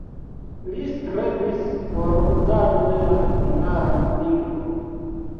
Li strebis por uzado de la hungara lingvo.